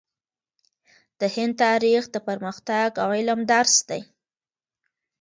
د هند تاریخ د پرمختګ او علم درس دی.